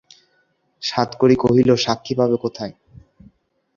সাতকড়ি কহিল, সাক্ষী পাবে কোথায়?